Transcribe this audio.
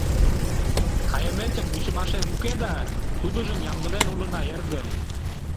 — Кайыметым вучымашем уке да, тудыжым ямдылен улына, эргым.